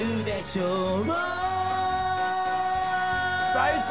最高！